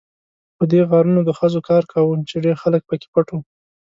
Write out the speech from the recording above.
خو دې غارونو د خزو کار کاوه، چې ډېر خلک پکې پټ وو.